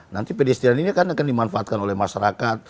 nanti pedestrian ini akan dimanfaatkan oleh masyarakat